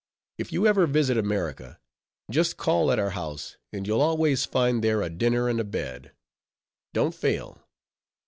if you ever visit America, just call at our house, and you'll always find there a dinner and a bed. Don't fail."